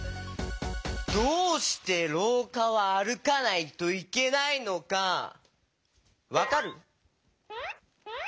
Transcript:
どうしてろうかはあるかないといけないのかわかる？